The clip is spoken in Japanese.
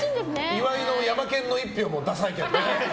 岩井のヤマケンの１票もダサいけどね。